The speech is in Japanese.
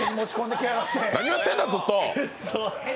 何やってんだ、ずっと。